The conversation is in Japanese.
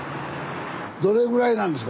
どれぐらいなんですか？